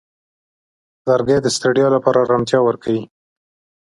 لرګی د ستړیا لپاره آرامتیا ورکوي.